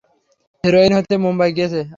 Heroine হতে মুম্বাই গিয়েছে।